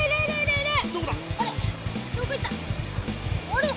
あれ？